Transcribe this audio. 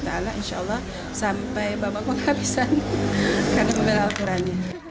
saya relawan insya allah sampai babak menghabiskan karena membela al quran